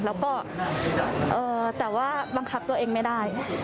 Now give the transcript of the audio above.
แล้วก็แต่ว่าบังคับตัวเองไม่ได้